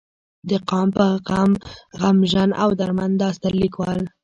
د قام پۀ غم غمژن او درمند دا ستر ليکوال